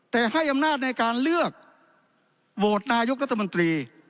แต่ให้อำนาจในการเลือกโหวตนายกรัฐมนตรี